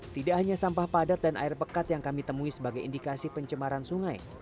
tidak hanya sampah padat dan air pekat yang kami temui sebagai indikasi pencemaran sungai